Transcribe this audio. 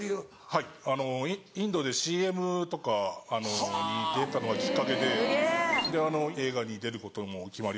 はいインドでＣＭとかに出たのがきっかけでで映画に出ることも決まりまして。